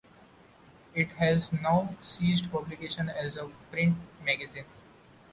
It has now ceased publication as a print magazine.